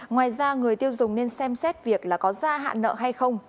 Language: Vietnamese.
ngoài ra người tiêu dùng nên xem xét việc là có gia hạn nợ hay không